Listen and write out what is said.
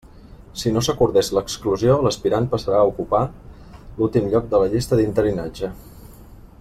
Si no s'acordés l'exclusió, l'aspirant passarà a ocupar l'últim lloc de la llista d'interinatge.